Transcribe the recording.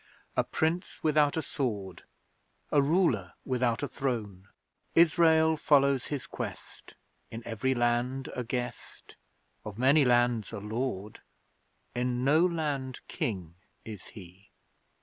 A Prince without a Sword, A Ruler without a Throne; Israel follows his quest. In every land a guest, Of many lands a lord, In no land King is he.